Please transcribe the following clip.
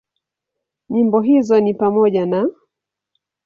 Nyimbo hizo ni pamoja na;